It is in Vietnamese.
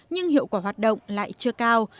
nhưng hiệu quả hoạt động lại chưa cao